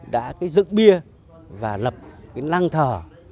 đã cái dựng bia và lập cái năng thờ